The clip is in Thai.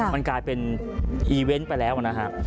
มันกลายเป็นอีเวนต์ไปแล้วนะฮะ